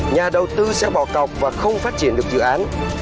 nhà đầu tư sẽ bỏ cọc và không phát triển được dự án